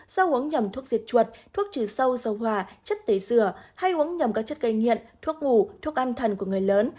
do uống nhầm thuốc diệt chuột thuốc trừ sâu dầu hòa chất tế dừa hay uống nhầm các chất gây nghiện thuốc ngủ thuốc ăn thần của người lớn